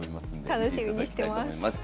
楽しみにしてます。